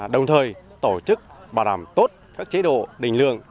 đồng thời tổ chức bảo đảm tốt các chế độ đình lượng